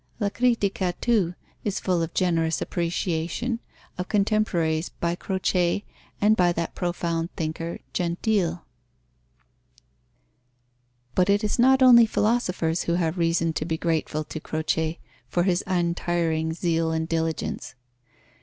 La Critica, too, is full of generous appreciation of contemporaries by Croce and by that profound thinker, Gentile. But it is not only philosophers who have reason to be grateful to Croce for his untiring zeal and diligence.